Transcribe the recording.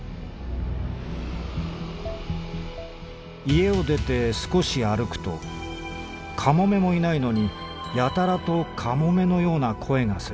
「家を出てすこし歩くとカモメもいないのにやたらとカモメのような声がする。